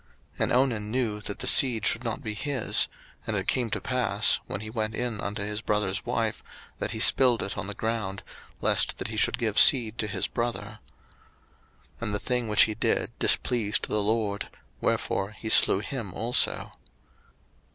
01:038:009 And Onan knew that the seed should not be his; and it came to pass, when he went in unto his brother's wife, that he spilled it on the ground, lest that he should give seed to his brother. 01:038:010 And the thing which he did displeased the LORD: wherefore he slew him also.